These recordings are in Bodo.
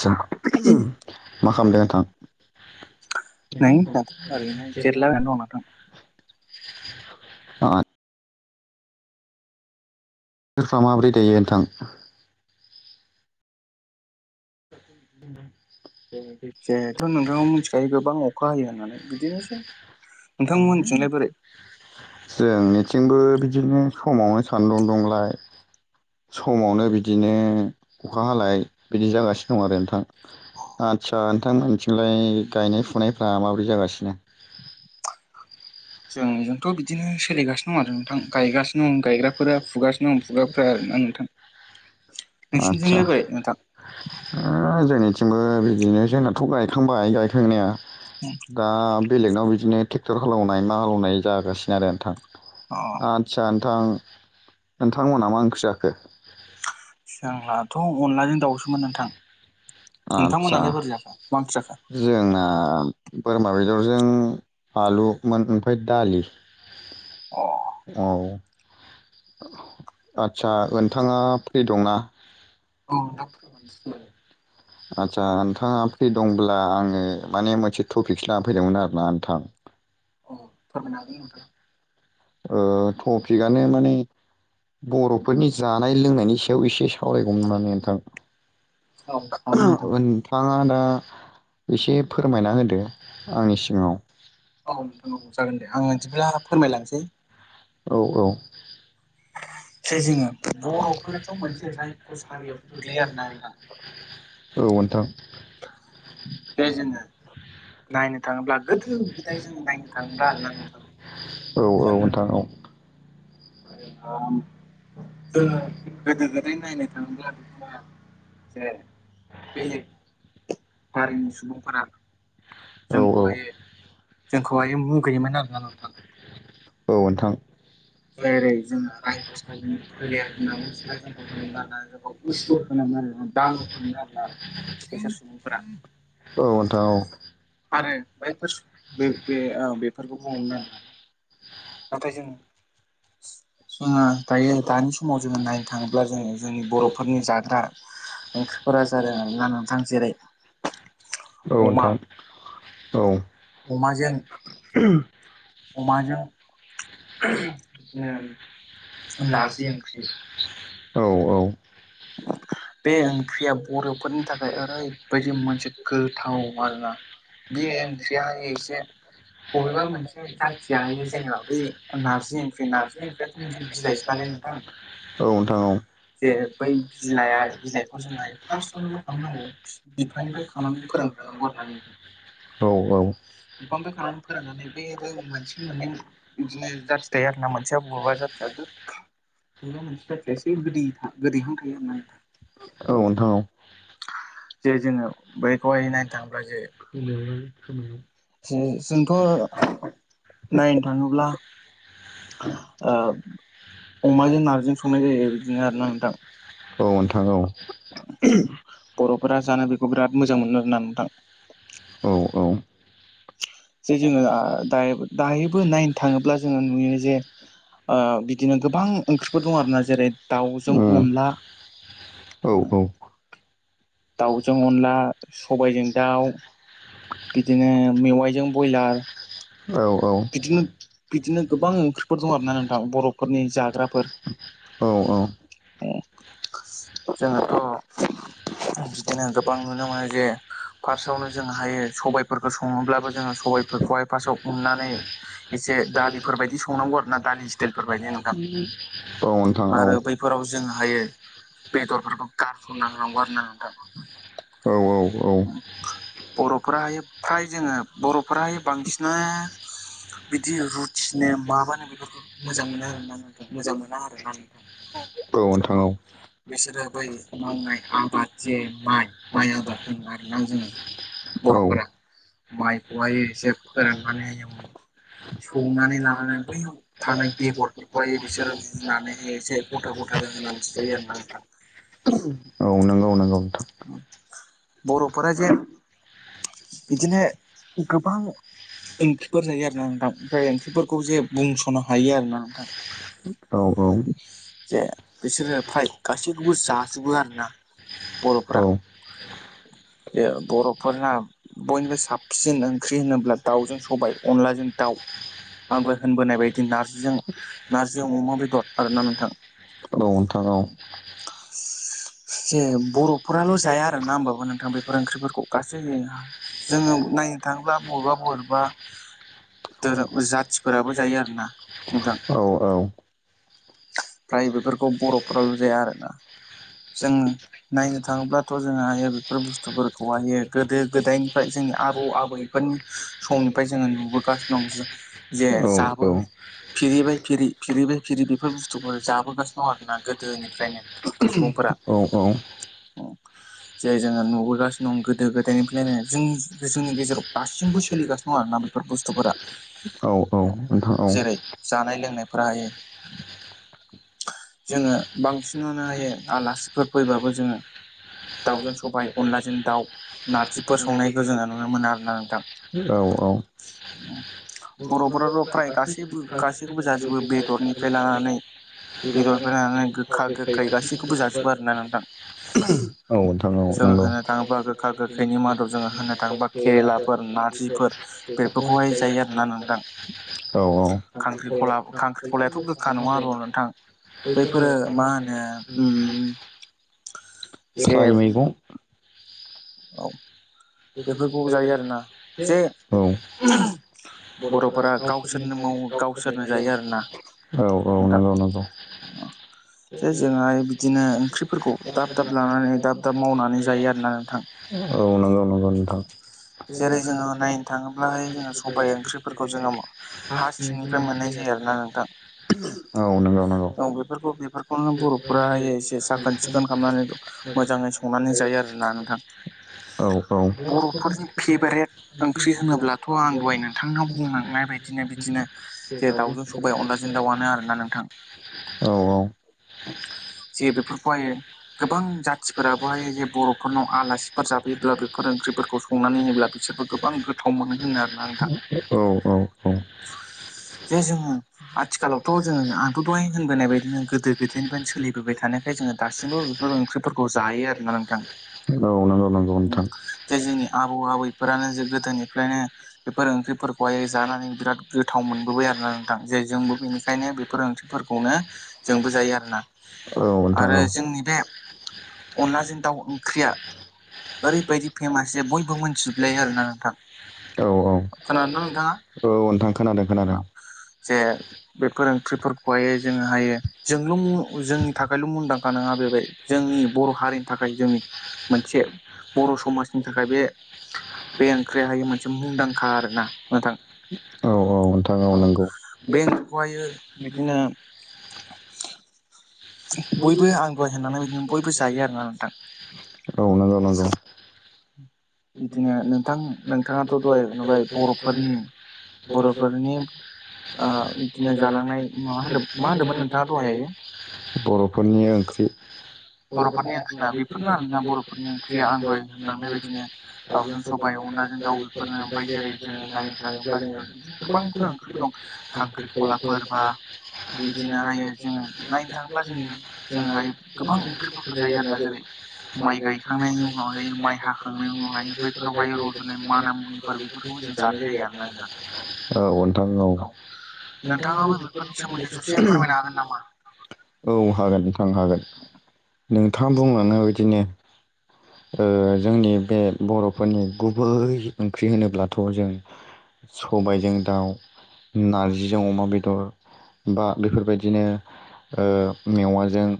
जा मा खालामदों नोंथां? नै दाथ' ओरैनो जिरायलाबायना दं नोंथां। अ बोथोरफ्रा माबोरै दायो नोंथां? [inaudible] [unintelligible] जेथ' नोंथाङा मिथिखायो गोबां अखा हायो होननानै बिदिनोसै नोंथांमोनथिंलाय बोरै जोंनिथिंबो बिदिनो समावबा सान्दुं दंलाय समावनो बिदिनो अखा हालाय बिदि जागासिनो दं आरो। नोंथां आदसा नोंथांमोनथिंलाय गायनाय फुनायफ्रा माबोरै जागासिनो। [unintelligible] जोंजोंथ' बिदिनो [unintelligible] सोलिगासिनो दं आरो नोंथां गायगासिनो दं गायग्राफोरा [unintelligible] फुगासिनो [unintelligible] आदसा नोंसिनिथिंलाय बोरै नोंथां? ओ जोंनिथिंबो बिदिनो जोंनाथ' गायखांबाय गाय जोंनिया दा बेलेगनाव बिदिनो ट्रेक्टर हालौवनाय मा हालौवनाय जागासिनो आरो नोंथां। अ आदसा नोंथां नोंथांमोना मा ओंख्रि जाखो? जोंनाथ' अनलाजों दाउसोमोन नोंथां। आदसा नोंथांमोनालाय बोरै जाखो मा ओंख्रि जाखो जोंना बोरमा बेदरजों आलुमोन ओमफ्राय दालि। अ औल आदसा नोंथाङा फ्रि दंना? औ नोंथां [inaudible] आचसा नोंथाङा फ्रि दंब्ला आङो माने मोनसे टपिकसो लाना फैदोंमोन आरोना नोंथां। औव फोरमायनो होगोन नोंथां। ओ टपिकआनो माने बर'फोरनि जानाय लोंनायनि सायाव एसे सावरायगौमोन नोंथां। औ हागोन नोंथां नोंथाङा दा एसे फोरमायना होदो आंनि सिगाङाव। औ नोंथां जागोन दे आङो बिदिब्ला फोरमायलांनोसै। औ औ जे जोङो बर'फोराथ' मोनसे रायख' सारियावसो गोग्लैयो आरोना नोंथां [unintelligible] औ नोंथां। जे जोङो नायनो थाङोब्ला गोदो गोदाय जोङो नायनो थाङोब्ला आरोना नोंथां औ औ जोङो नोंथां औ। जोङो गोदो गोदाय नायनो थाङोब्ला जे बेलेग हारिनि सुबुंफोरा औ जोंखौहाय जोंखौहाय मुगैयोमोन आरोना नोंथां। औ नोंथां। जेरै जोङो रायखसनि फोलेर होननानै बिसोर जोंखौ होनोम आरोना ज [unintelligible] उसु होनोम आरो। दान खुंङा होनना बिसोर सुबुंफोरा औ नोंथां औ। आरो बेफोर सुबुं बे बे ओ बेफोरखौ बुंङोमोन आरो। [inaudible] [inaudible] जोङो दायो दानि समाव जोङो नायनो थाङोब्ला जोङो जोंनि बर'फोरनि जाग्रा ओंख्रिफोरा जा जादों आरो ना नोंथां जेरै औ अमा नोंथां औ। अमाजों [unintelligible] अमाजों बिदिनो नारजि ओंख्रि। बे ओंख्रियाव बर'फोरनि थाखाय ओरैबायदि मोनसे गोथाव आरोना। बे ओंख्रिया एसे बबेबा मोनसे जाथिया हायो जेनेबा बे नारजि ओंख्रि नारजि ओंख्रियाथ' मोनसे बिलाइसो नालाय नोंथां नोंथां औ औ ए बै बिलाइाया बिलाइखौ जोङो [unintelligible] फार्स्टआवनो मा खालामनांगौ बिफानिफ्राय खानानै फोरानग्रोनांगौ आरो ना नोंथां। औ औ। बिफांनिफ्राय खानानै फोराननानै बे-बे मोनसे मोननै बिदिनो जाथि थायो आरो ना मोनसेया बबेबा जाथिया [unintelligible] खायसे गोदै गोदैहां थायो आरोना नोंथां। औ नोंथां जे जोङो बैखौहाय नायनो थाङोब्ला जे जो जोंथ' नायनो थाङोब्ला ओ अमाजों नारजि नारजिजों संनाय जायो बिदिनो आरोना नोंथां जायो। [unintelligible] औ नोंथां औ। बर'फोरा जानो बेखौ बिराद मोजां मोनो आरोना नोंथां। औ औ। जे जोङो [unintelligible] दायोबो नायनो थाङोब्ला जोङो नुयो [unintelligible] जे ओ बिदिनो ओम गोबां ओंख्रिफोर दं आरोना जेरै औ दाउजों अनला औ। [inaudible] दाउजों अनला, सबायजों दाउ बिदिनो मेवाइजों ब्रयलार औ औ। गोबां ओंख्रिफोर दं आरोना नोंथां बर'फोरनि जाग्राफोर [unintelligible] औ औ। जोंहाथ' बिदिनो गोबां नुनो मोनो जे [unintelligible] फार्स्टआवनो जों हायो सबायफोरखौ [unintelligible] सङोब्लाबो जोङो सबायफोरखौहाय फार्स्टआव उननानै [unintelligible] एसे दालिफोरबायायदि संनांगौ आरो ना औ दालि स्टाइलफोरबायदि नोंथां आरो बैफोराव जों हायो औ। बेदरफोरखौ गारसनना होनांगौ आरो ना [unintelligible] नोंथां औ औ औ। फ्राय फ्राय जोङो बर'फोरा बांसिना बिदि बि रुटिनो माबानो मोजां बेफोरखौ मोजां आरोना मोना नोंथां मोजां मोना आरोना आरो। नोंथां [unintelligible] औ बिसोरो बै नोंथां मावनाय आबाद जे औ माइ माइ आबाद [unintelligible] होनो आरोना जोङो [unintelligible] बर'फोरा औ। माइखौहाय मायखौहाय एसे फोराननानै [unintelligible] सौनानै लानानै बैयाव थानाय बेगरफोरखौहाय बिसोरो जुनानै एसे गथा गथा जाहोनानैसो जायो आरोना नोंथां [unintelligible] [unintelligible] औ नंगौ नों औथ' बर'फोरा जे [unintelligible] बिदिनो गोबां [unintelligible] ओंख्रिफोर जायो आरोना नोंथां [unintelligible] ओमफ्राय ओंख्रिफोरखौ जे बुंस'नो औ हायो आरोना नोंथां औ जे बिसोरो [unintelligible] फ्राय गासैखौबो जाजोबो आरोना [unintelligible] बर'फोरा औ जे बर'फोरना [unintelligible] बयनिफ्राय साबसिन ओंख्रि होनोब्ला दाउजों सबाय [unintelligible] बेदि नारजिजों नारजि अमा बेदर आरोना नोंथां। औ नोंथां औ। जे बर'फोराल' जाया आरोना होनोमबाबो नोंथां बेफोर ओंख्रिफोरखौ गासैबो हा [inaudible] बबेबा धोरोम जाथिफोराबो जायो आरोना नोंथां [unintelligible] औ! औ! फ्राय बेफोरखौ बर'फोराव जाया आरोना। जों नायनो थाङोब्लाथ' जोङो बेफोर बुस्थुफोरखौहाय गोदो गोदायनिफ्राय जोंनि आबौ आबैफोरनि समनिफ्राय जोङो नुबोगासिनो दं जे औ जाबो फिरिबाय फिरि फिरिबाय फिरि बेफोर बुस औ औ [unintelligible] औ औ नोंथां सुबुंफोरा जेरै जोङो नुबोगासिनो दं गोदो गोदायनिफ्रायनो जों जोंनि गेजेराव दासिमबो सोलिगासिनो दं आरोना बेफोर बुस्थुफोरा औ जेरै जानाय लोंनायफोरा हायो जोङो बांसिनानो आलासिफोर फैबा जोङो साब सबाय अनलाजों दाउ ना नारजिफोर बेफोरनो संनायखौ जोङो नुनो लोगोनानै औ औ औ बर'फोर' फ्राय गासैबो गासैखौबो जाजोबो बेदरनिफ्राय लानानै बेदरनिफ्राय लानानै गोखा गोखै गासैखौबो जाजोबो आर ना नोंथां औ नोंथां औ जों नंगौ होननो थाङोबा गोखा गोखैनि मादाव जोङो होननो थाङोबा केरेलाफोर नारजिफोर बेफोरखौहाय जायो आरोना नोंथां औ खांख्रिखला खांख्रिखलायाथ' गोखा नङा आरो नोंथां बैफोरो मा होनो उम जे फोरनो [unintelligible] [unintelligible] मैगं औ बेफोरखौ जायो आरोना जे औ बर'फोरा गावसोरनो मावो गावसोरनो जायो आरो ना औ औ नंगौ नंगौ जे जोंहाय बिदिनो ओंख्रिफोरखौ [unintelligible] दाब दाब लानानै दाब दाब मावनानै जायो आरोना नोंथां औ नंगौ नंगौ नोंथां जेरै जोङो नायनो थाङोब्लाहाय जोङो सबाय ओंख्रिफोरखौ [unintelligible] एरनाङा नोंथां औ नंगौ नंगौ औ बेफोरखौ बेफोरखौनो बर'फोराहाय एसे साखोन सिखोन खालामनानै द औ औ बर'फोरनि फेभारेट ओंख्रि होनोब्लाथ' आं दहाय नोंथांनाव [unintelligible] सबाइ अनलाजों दाआनो आरोना नोंथां औ औ जे बेफोरखौ फायो बेफोरखौहायो गोबां जाथिफोरा जाथिफोराबोहाय बर'फोरनि जे बर'फोरनाव आलासिफोर आसिफोर जाफैयोब्ला बेफोर ओंख्रिफोरखौ संनानै होयोब्ला बिसोरबो गोबां गोथाव मोनो होनो आरोना नोंथां [unintelligible] [unintelligible] औ औ औ जे जोङो आथिखालावथ' आथिखालावथ' आंथ' दहाय जोङो होनबोनाय बायदिनो गोदो गोदायनिफ्रायनो औ सोलिबोबाय थानायखाय जोङो दासिमबो नंगौ बेफोर ओंख्रिफोरखौ जायो नंगौ आरोना नोंथां नोंथां जे जोंनि बेदिनो आबौ आबैफोरानो जे गोदोनिफ्रायनो बेफोर ओंख्रिफोरखौहाय जानानै बिराद गोथाव मोनबोबाय आरो। ना नोंथां जोंबो बेनिखायनो बेफोर ओंख्रिफोरखौनो जोंबो जायो आरोना औ नोंथां आरो। औ जोंनि बे अनलाजों दाउ ओंख्रिया ओैबायदि फेमास जे बय मोनथिजोबलायो आरोना नोंथां औ औ खोनादोंना नोंथाङा औ नोंथां खोनादों खोनादों। जे बेफोर ओंख्रिफोरखौहाय जोङो हायो जोंल' जोंनि थाखायल' मुंदांखा ना नाङा बे जोंनि बर' हारिनि थाखाय जोंनि मोनसे बर' समाजनि थाखाय बे बे ओंख्रियाहायो मोनसे मुंदांखा आरोना नोंथां [unintelligible] औ औ नोंथां औ नंगौ जखहायो बिदिनो [unintelligible] बयबो आं दहाय होनलांनाय बायदिनो बयबो जायो आरोना नोंथां औ नोंगौ नोंगौ बिदिनो नोंथां नोंथाङाथ' दहाय नुबाय बर'फोरनि [unintelligible] बर'फोरनि ओ जालांनाय बिदिनो जालांनाय मा होनदों मा होनदोंमोन नोंथाङा दहाय [unintelligible] बर'फोरनि ओंख्रि बर'फोरनि ओंख्रिना बेफोरनो आरोना बर'फोरनि ओंख्रिया आं दहाय होनलांनाय बायदिनो दाउजों सबाय अनलाजों दाउ बेफोरनो ओमफ्राय जेरै जोङो नायनो थाङोब्ला जोङो बिदिनो [unintelligible] [unintelligible] गोबांफोर ओंख्रिफोर दं खांख्रिखलाफोर बा बिदिनो हायो जोङो नायनो थाङोब्ला [unintelligible] जों जों हायो गोबां ओंख्रिफोरखौ जायो आरोना जेरै माइ गायखांनायनि उनावहाय माइ [unintelligible] हाखांनायनि उनावहाय बैफोरावहाय रज'नाय माना मुनिफोर बेफोरखौ जों जानाय जायो आरोना नोंथां [unintelligible] औ [inaudible] नोंथाङाबो बेफोरनि सोमोन्दै ससे फोरमायनो हागोन नामा औ हागोन नोंथां हागोन नोंथाङा बुंलाङनाय बादिनो ओ जोंनि बे बरफोरनि गुबै ओंख्रि होनोब्लाथ जों सबायजों दाउ नारजिजों अमा बेदर बा बेफोरबायदिनो ओ मेवाजों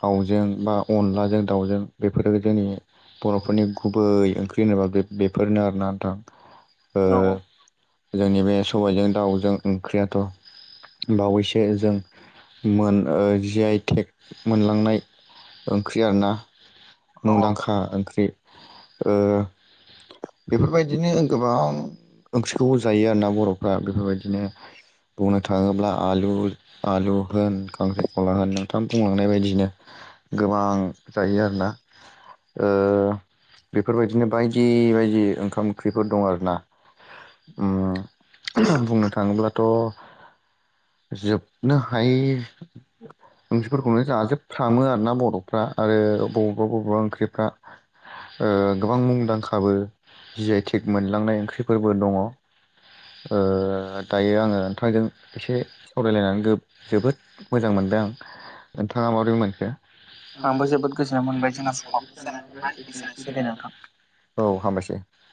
दाउजों बा अनलाजों दाउजों बेफोरो जोंनि बरफोरनि गुबै ओंख्रि होनोबा बेफोरनो आरोना नोंथां ओ औ औ जोंनि बे सबायजों दाउजों ओंख्रियाथ बावैसो जों मोन ओ जि आइ थेक मोनलांनाय ओंख्रि आरोना औ मुंदांखा ख्रि ओ बेफोरबायदिनो गोबां ओंख्रिखौबो जायो आरोना बरफ्रा बेफोरबायदिनो बुंनो थाङोब्ला आलु आलु होन खांख्रिखौला होन नोंथां बुंलांनाय बायदिनो गोबां जायो आरोना ओ बेफोरबायदिनो बायदि बायदि ओंखाम ओंख्रिफोर दं आरो ना उम बुंनो थाङोब्लाथ जोबनो हायि ओंख्रिफोरखौनो जाजोबस्रामो आरोना बरफ्रा आरो बबेबा बबेबा ओंख्रिफ्रा ओ गोबां मुंदांखाबो जि आइ थेक मोनलांनाय ओंख्रिफोरबो दङ ओ दायो आङो नोंथांजों एसे जोबोद मोजां मोनदों आं नोंथाङा माबोरै मोनखो? आंबो जोबोद गोजोना मोनबाय जोंना समाव औ हामबायसै [unintelligible]